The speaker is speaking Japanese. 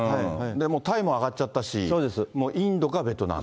もうタイもあがっちゃったし、もう、インドかベトナム。